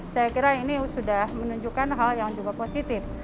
saya kira ini sudah menunjukkan hal yang juga positif